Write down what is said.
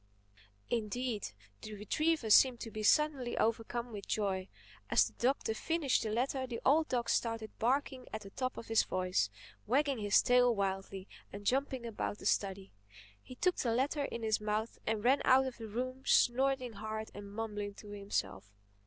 Indeed the retriever seemed to be suddenly overcome with joy. As the Doctor finished the letter the old dog started barking at the top of his voice, wagging his tail wildly and jumping about the study. He took the letter in his mouth and ran out of the room snorting hard and mumbling to himself.